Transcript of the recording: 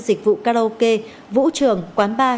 dịch vụ karaoke vũ trường quán bar